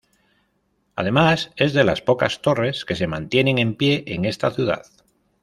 Además es de las pocas torres que se mantienen en pie en esta ciudad.